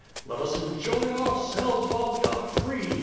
"Let us enjoy ourselves while we are free!"